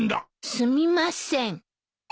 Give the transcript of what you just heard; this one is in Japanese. すみません。